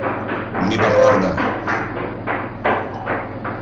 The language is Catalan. Ni parlar-ne!